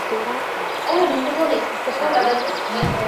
তিনি পরেশকে খুব তীব্র স্বরেই কহিলেন, এ আমি পারব না।